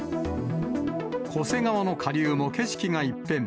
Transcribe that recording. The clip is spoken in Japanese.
巨瀬川の下流も景色が一変。